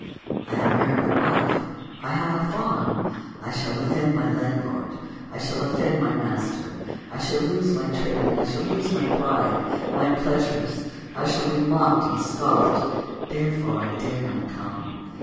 I have married a wife ; I have a farm ; I shall offend my landlord; I shall offend my master; I shal 1 lose my trading ; I shall lose my pride, my pleasures ; I shall be mocked and scoffed; therefore I dare not come.